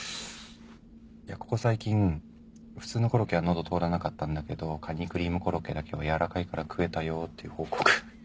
いやここ最近普通のコロッケはのど通らなかったんだけどカニクリームコロッケだけはやわらかいから食えたよっていう報告。